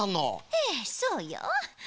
ええそうよ。